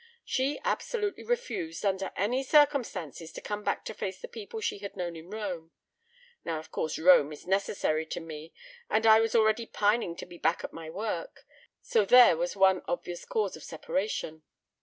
She absolutely refused, under any circumstances, to come back to face the people she had known in Rome. Now, of course, Rome is necessary to me, and I was already pining to be back at my work—so there was one obvious cause of separation.